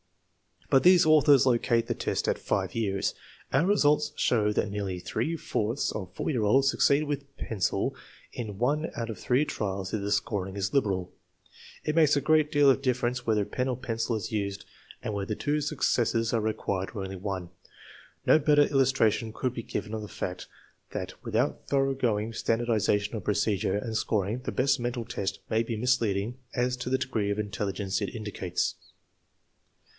But these authors locate the test at 5 years. Our results show that nearly three fourths of 4 year olds succeed with pencil in one out of three trials if the scoring is liberal. It makes a great deal of difference whether pen or pencil is used, and whether two successes are required or only one. No better illustra tion could be given of the fact that without thoroughgoing standardization of procedure and scoring the best mental test may be misleading as to the degree of intelligence it indicates.